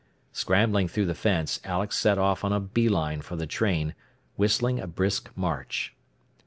Scrambling through the fence, Alex set off on a bee line for the train, whistling a brisk march.